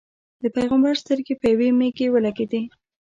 د پېغمبر سترګې په یوې مېږې ولګېدې.